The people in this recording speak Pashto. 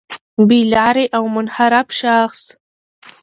بې لاري او منحرف شخص